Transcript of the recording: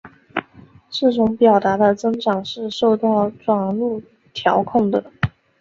这种表达的增长是受到转录调控的。